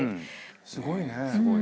すごいね。